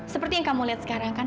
seperti yang kamu lihat sekarang kan